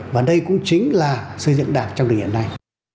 và đây cũng chính là xây dựng đảng trong điều hiện nay